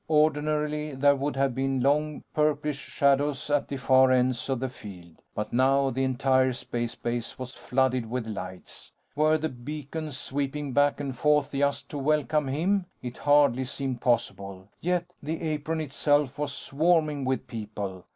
Ordinarily, there would have been long purplish shadows at the far ends of the field; but now the entire space base was flooded with lights. Were the beacons sweeping back and forth just to welcome him? It hardly seemed possible. Yet, the apron itself, was swarming with people.